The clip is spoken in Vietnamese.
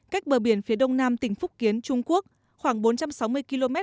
cách bờ biển phía đông nam tỉnh phúc kiến trung quốc khoảng bốn trăm sáu mươi km